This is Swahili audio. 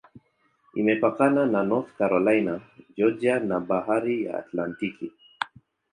Imepakana na North Carolina, Georgia na Bahari ya Atlantiki.